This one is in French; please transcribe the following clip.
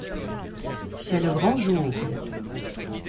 C’est le grand jour.